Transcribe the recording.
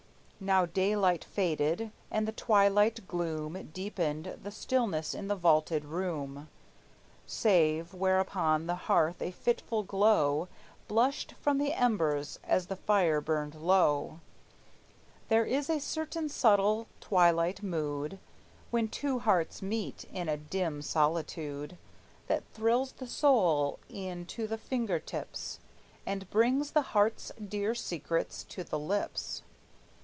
Now daylight faded, and the twilight gloom Deepened the stillness in the vaulted room, Save where upon the hearth a fitful glow Blushed from the embers as the fire burned low. There is a certain subtle twilight mood, When two hearts meet in a dim solitude, That thrills the soul e'en to the finger tips, And brings the heart's dear secrets to the lips.